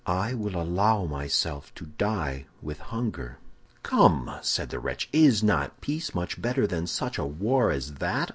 I will allow myself to die with hunger.' "'Come,' said the wretch, 'is not peace much better than such a war as that?